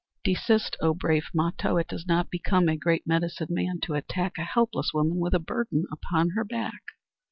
"Desist, O brave Mato! It does not become a great medicine man to attack a helpless woman with a burden upon her back!"